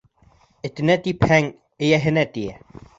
Этенә типһәң, эйәһенә тейә.